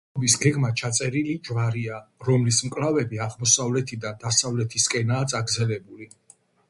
შენობის გეგმა ჩაწერილი ჯვარია, რომლის მკლავები აღმოსავლეთიდან დასავლეთისკენაა წაგრძელებული.